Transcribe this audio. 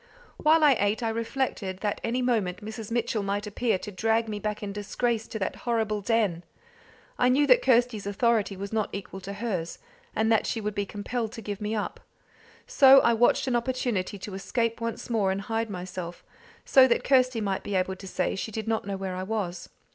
While I ate I reflected that any moment Mrs. Mitchell might appear to drag me back in disgrace to that horrible den. I knew that Kirsty's authority was not equal to hers, and that she would be compelled to give me up. So I watched an opportunity to escape once more and hide myself, so that Kirsty might be able to say she did not know where I was.